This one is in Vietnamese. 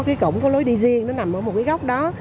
cái cổng có lối đi riêng nó nằm ở một cái góc đó